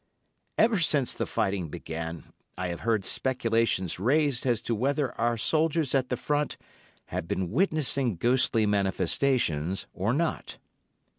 Ever since the fighting began I have heard speculations raised as to whether our soldiers at the Front have been witnessing ghostly manifestations or not.